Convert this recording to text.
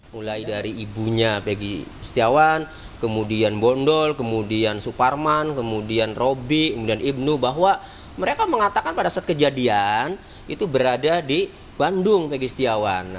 mulai dari ibunya peggy setiawan kemudian bondol kemudian suparman kemudian robby kemudian ibnu bahwa mereka mengatakan pada saat kejadian itu berada di bandung pegi setiawan